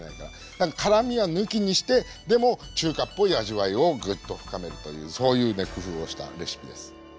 だから辛みは抜きにしてでも中華っぽい味わいをぐっと深めるというそういうね工夫をしたレシピです。